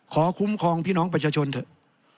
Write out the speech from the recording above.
คุ้มครองพี่น้องประชาชนเถอะ